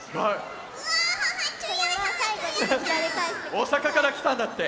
大阪からきたんだって。